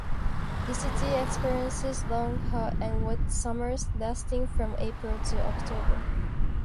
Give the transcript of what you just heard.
The city experiences long, hot and wet summers, lasting from April to October.